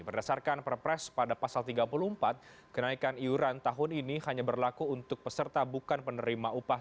berdasarkan perpres pada pasal tiga puluh empat kenaikan iuran tahun ini hanya berlaku untuk peserta bukan penerima upah